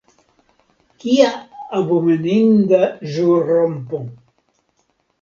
Kia abomeninda ĵurrompo!